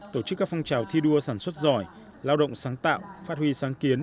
tổ chức các phong trào thi đua sản xuất giỏi lao động sáng tạo phát huy sáng kiến